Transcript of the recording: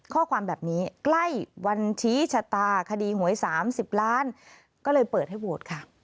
ข้อความแบบนี้ใกล้วันชี้ชะตาคดีหวย๓๐ล้านก็เลยเปิดให้โหวตค่ะ